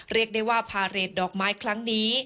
เรียกได้ว่าพาเรทดอกไม้ครั้งนี้